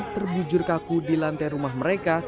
terbujur kaku di lantai rumah mereka